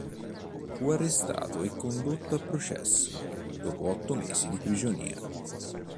Fu arrestato e condotto a processo, dopo otto mesi di prigionia.